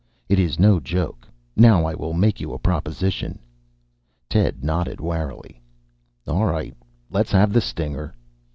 "It is no joke. Now I will make you a proposition." Ted nodded warily. "All right, let's have the stinger."